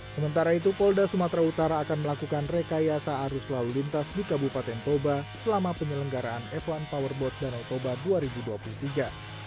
sementara itu polda sumatera utara akan melakukan rekayasa arus lalu lintas di kabupaten toba selama penyelenggaraan f satu powerboat danau toba dua ribu dua puluh tiga